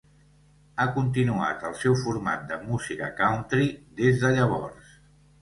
Ha continuat el seu format de música country des de llavors.